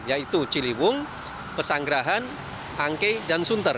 yaitu ciliwung pesanggrahan angkei dan sunter